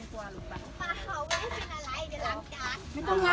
สวัสดีครับคุณพลาด